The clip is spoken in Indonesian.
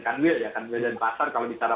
kanwil kanwil dan pasar kalau di sana